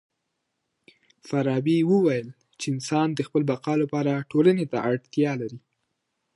فارابي وويل چي انسان د خپل بقا لپاره ټولني ته اړتيا لري.